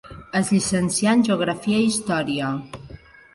Es llicencià en Geografia i Història.